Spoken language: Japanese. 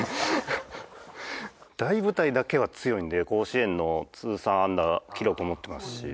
大舞台だけは強いんで甲子園の通算安打記録も持ってますし。